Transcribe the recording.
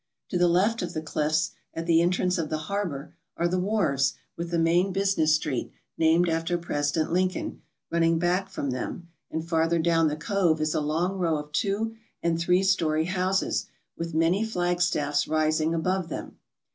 To the left of the cliffs at the entrance of the harbour are the wharves with the main business street, named after President Lincoln, running back from them, and farther down the cove is a long row of two and three story houses, with many flagstaffs rising above them.